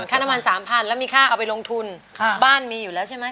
ค่าน้ำมันสามพันแล้วมีค่าเอาไปลงทุนบ้านมีอยู่แล้วใช่ไหม